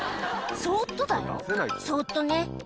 「そっとだよそっとね」